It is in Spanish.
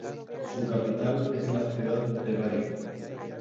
Su capital es la ciudad de Bari.